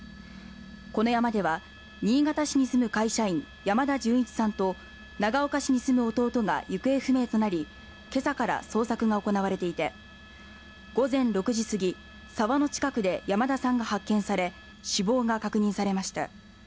この山では新潟市に住む会社員山田純一さんと長岡市に住む弟が行方不明となりけさから捜索が行われていて午前６時過ぎ沢の近くで山田さんが発見され死亡が確認されました